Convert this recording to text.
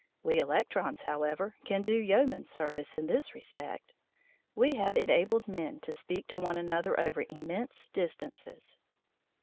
We electrons, however, can do yeoman service in this respect. We have enabled men to speak to one another over immense distances.